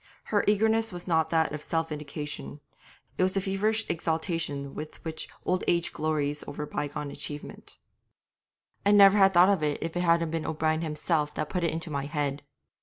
Her eagerness was not that of self vindication; it was the feverish exaltation with which old age glories over bygone achievement. 'I'd never have thought of it if it hadn't been O'Brien himself that put it into my head.